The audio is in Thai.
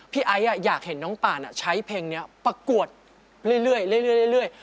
ไอซ์อยากเห็นน้องป่านใช้เพลงนี้ประกวดเรื่อย